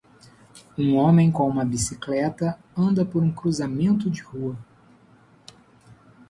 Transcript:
Um homem com uma bicicleta anda por um cruzamento de rua.